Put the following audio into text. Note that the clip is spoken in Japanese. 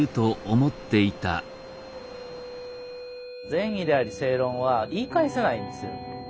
善意であり正論は言い返せないんですよ。